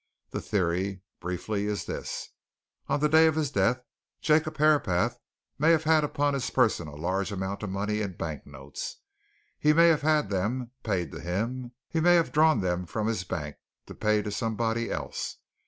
That theory, briefly, is this on the day of his death, Jacob Herapath may have had upon his person a large amount of money in bank notes. He may have had them paid to him. He may have drawn them from his bank, to pay to somebody else.